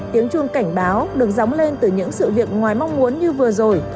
tiếng chuông cảnh báo được dóng lên từ những sự việc ngoài mong muốn như vừa rồi